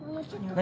何？